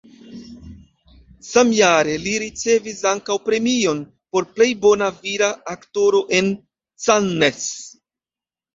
Samjare li ricevis ankaŭ premion por plej bona vira aktoro en Cannes.